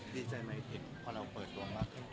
ดีใจไหมเห็นของเราเปิดตัวมาก